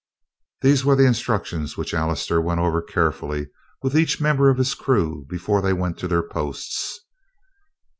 These were the instructions which Allister went over carefully with each member of his crew before they went to their posts.